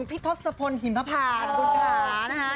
คุณแหละไปเลยหรอ